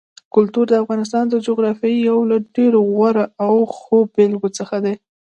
کلتور د افغانستان د جغرافیې یو له ډېرو غوره او ښو بېلګو څخه دی.